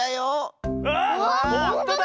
あっほんとだ！